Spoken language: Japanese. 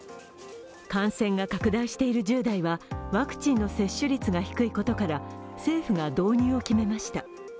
感染が拡大している１０代はワクチンの接種率が低いことから政府が導入を決めました。